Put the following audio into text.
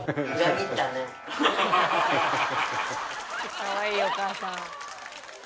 かわいいお母さん。